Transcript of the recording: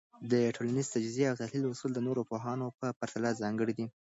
د ټولنيز تجزیه او تحلیل اصول د نورو پوهانو په پرتله ځانګړي دي.